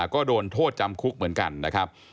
ก็โดนโทษจำคุกเหมือนกันนะครับ